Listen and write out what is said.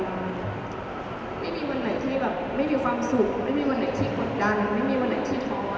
ไม่มีวันไหนที่แบบไม่มีความสุขไม่มีวันไหนที่กดดันไม่มีวันไหนที่ท้อ